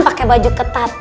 pake baju ketat